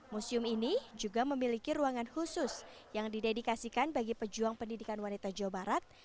museum ini juga memiliki ruangan khusus yang didedikasikan bagi pejuang pendidikan wanita jawa barat